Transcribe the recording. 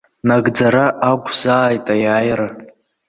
Нагӡара ақәзааит аиааира!